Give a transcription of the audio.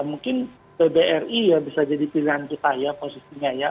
mungkin pbri ya bisa jadi pilihan kita ya posisinya ya